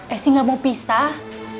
esi gak mau pisah